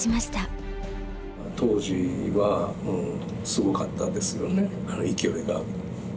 当時はすごかったですよね勢いが。